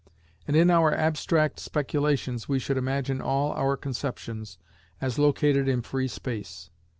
And in our abstract speculations we should imagine all our conceptions as located in free Space.